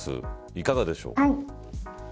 いかがでしょうか。